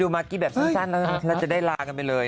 นี่มันถึง๓เด็กแล้วเหรอผมมานั่งเนี่ย